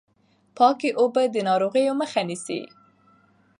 پاکې اوبه د ناروغیو مخه نیسي۔